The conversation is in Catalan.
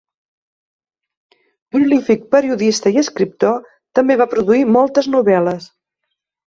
Prolífic periodista i escriptor, també va produir moltes novel·les.